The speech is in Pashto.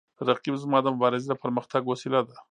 رقیب زما د مبارزې د پرمختګ وسیله ده